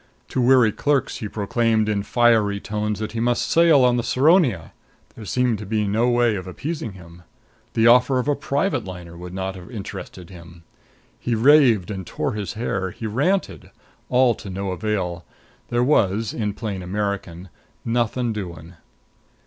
To weary clerks he proclaimed in fiery tones that he must sail on the Saronia. There seemed to be no way of appeasing him. The offer of a private liner would not have interested him. He raved and tore his hair. He ranted. All to no avail. There was, in plain American, "nothing doing!"